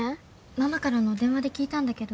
ママからの電話で聞いたんだけど。